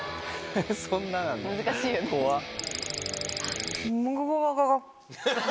そんななんだ怖っ。